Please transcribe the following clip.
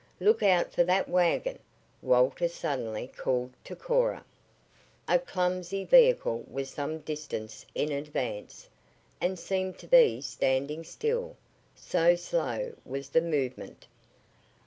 "Look out for that wagon!" Walter suddenly called to Cora. A clumsy vehicle was some distance in advance, and seemed to be standing still, so slow was the movement.